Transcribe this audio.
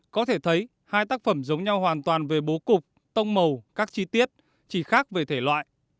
có thể thấy hai tác phẩm giống nhau hoàn toàn về bố cục tông màu các chi tiết chỉ khác về thể loại